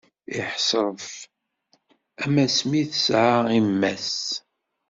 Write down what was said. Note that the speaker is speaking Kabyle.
Iḥḥesref, am asmi i t-tesɛa imma-s.